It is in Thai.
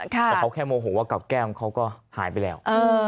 แต่เขาแค่โมโหว่ากับแก้มเขาก็หายไปแล้ว